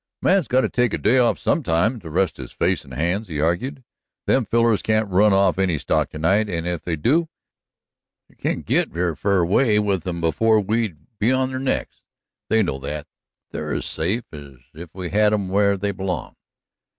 "A man's got to take a day off sometimes to rest his face and hands," he argued. "Them fellers can't run off any stock tonight, and if they do they can't git very far away with 'em before we'd be on their necks. They know that; they're as safe as if we had 'em where they belong."